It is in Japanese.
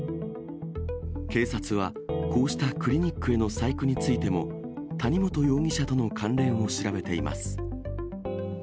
警察は、こうしたクリニックへの細工についても、谷本容疑者との関連を調べています。